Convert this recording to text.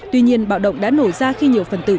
tuy nhiên bạo động đã nổ ra khi nhiều phần tử